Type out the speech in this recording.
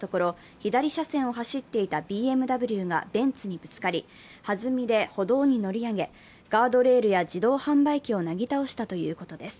左車線を走っていたＢＭＷがベンツにぶつかり、はずみで歩道に乗り上げ、ガードレールや自動販売機をなぎ倒したということです。